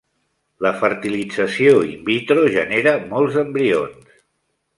La fertilització in vitro genera molts embrions.